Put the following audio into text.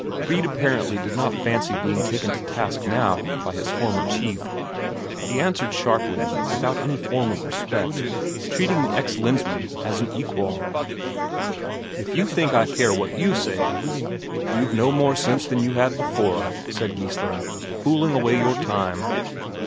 Brede apparently did not fancy being taken to task now by his former chief; he answered sharply, without any form of respect, treating the ex Lensmand as an equal: "If you think I care what you say ..." "You've no more sense than you had before," said Geissler. "Fooling away your time."